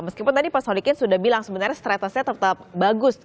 meskipun tadi pak solikin sudah bilang sebenarnya stress test nya tetap bagus